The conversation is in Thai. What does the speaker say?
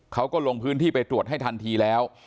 เขาก็ลงพื้นที่ไปตรวจให้ทันทีแล้ว